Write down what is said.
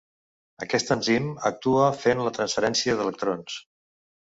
Aquest enzim actua fent la transferència d'electrons.